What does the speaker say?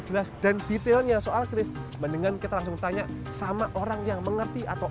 jelas dan detailnya soal kris mendingan kita langsung tanya sama orang yang mengerti atau